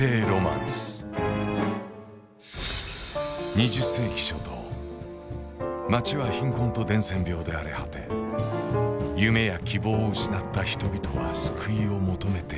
２０世紀初頭街は貧困と伝染病で荒れ果て夢や希望を失った人々は救いを求めていた。